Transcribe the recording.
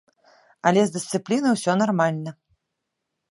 Але з дысцыплінай усё нармальна.